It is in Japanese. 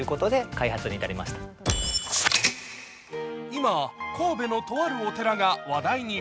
今、神戸のとあるお寺が話題に。